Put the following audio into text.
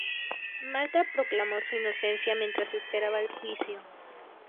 Martha proclamó su inocencia mientras esperaba el juicio.